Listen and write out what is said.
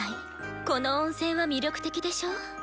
この「温泉」は魅力的でしょう？